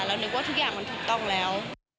นึกว่าทุกอย่างมันถูกต้องแล้ว